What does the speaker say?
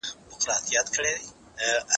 زه اوس واښه راوړم؟